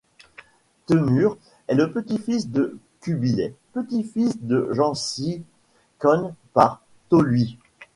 Temur est le petit-fils de Kubilai, petit-fils de Gengis Khan par Tolui.